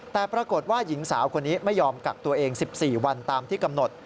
แต่ปรากฏว่าหญิงสาวคนนี้ไม่ยอมกักตัวเอง๑๔วันตามที่กำหนด